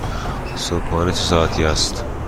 صبحانه چه ساعتی است؟